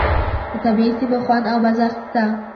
له طبعي سیمو خوند او مزه اخيسته.